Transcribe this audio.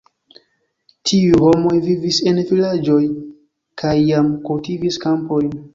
Tiuj homoj vivis en vilaĝoj kaj jam kultivis kampojn.